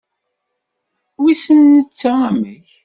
Wissen netta amek.